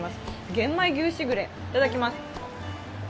玄米牛しぐれ、いただきます。